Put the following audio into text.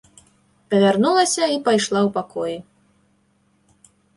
Павярнулася і пайшла ў пакоі.